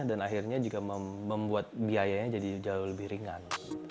dan akhirnya juga membuat biayanya jadi jauh lebih ringan